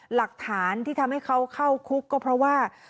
หลักฐานที่ทำให้เขาเข้าคุกก็เพราะว่า